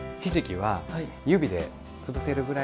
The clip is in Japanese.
はい。